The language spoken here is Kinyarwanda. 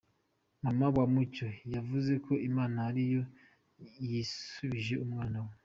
Mama wa Mucyo yavuze ko Imana ari yo yisubije umwana we.